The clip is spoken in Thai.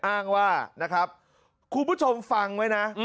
อ้างว่านะครับคุณผู้ชมฟังไว้นะ